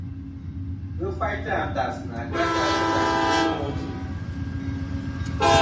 Ghɨ faytɨ àntas nɨ a kasa kɨ nà to nô ajuŋ.